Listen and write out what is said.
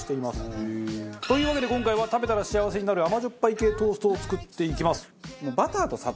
というわけで今回は食べたら幸せになる甘じょっぱい系トーストを作っていきます。